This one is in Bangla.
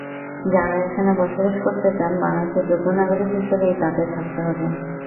যাঁরা এখানে বসবাস করতে চান, বাংলাদেশের যোগ্য নাগরিক হিসেবেই তাঁদের থাকতে হবে।